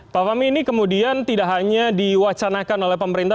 pak fahmi ini kemudian tidak hanya diwacanakan oleh pemerintah